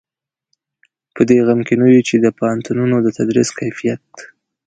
په دې غم کې نه یو چې د پوهنتونونو د تدریس کیفیت.